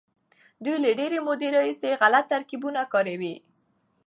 دوی له ډېرې مودې راهيسې غلط ترکيبونه کاروي.